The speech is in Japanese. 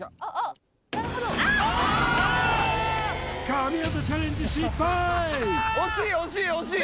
神業チャレンジ失敗惜しい！